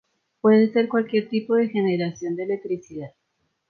Puede ser cualquier tipo de generación de electricidad.